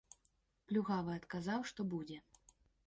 Плюгавы адказаў, што будзе.